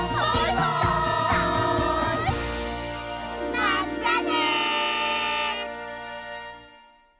まったね！